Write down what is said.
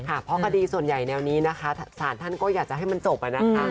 เพราะคดีส่วนใหญ่แนวนี้นะคะสารท่านก็อยากจะให้มันจบนะคะ